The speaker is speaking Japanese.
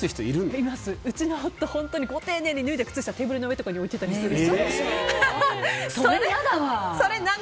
うちの夫本当にご丁寧に脱いだ靴下テーブルの上に置いたりする。